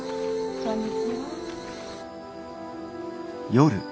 こんにちは。